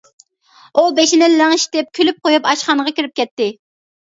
ئۇ بېشىنى لىڭشىتىپ كۈلۈپ قويۇپ ئاشخانىغا كىرىپ كەتتى.